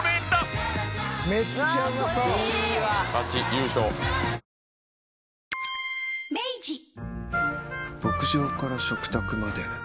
ニトリ牧場から食卓まで。